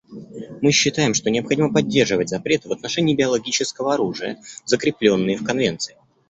Мы считаем, что необходимо поддерживать запреты в отношении биологического оружия, закрепленные в Конвенции.